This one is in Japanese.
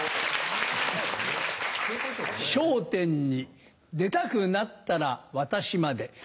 『笑点』に出たくなったら私まで。